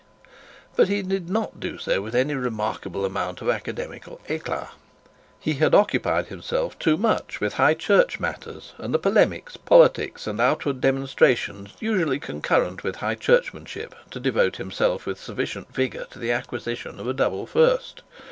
but he did not do so with any remarkable amount of academical eclat. He had occupied himself too much with high church matters, and the polemics, politics, and outward demonstrations usually concurrent with high churchmanship, to devote himself with sufficient vigour to the acquisition of a double first.